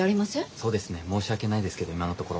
そうですね申し訳ないですけど今のところ。